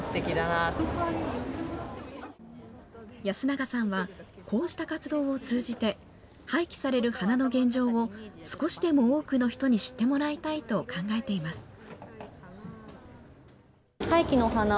安永さんは、こうした活動を通じて、廃棄される花の現状を少しでも多くの人に知ってもらいたいと考えています。